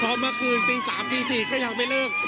เพราะเมื่อคืนปี๓ปี๔ก็ยังไม่เริ่ม